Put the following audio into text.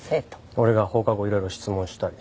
俺が放課後いろいろ質問したりして。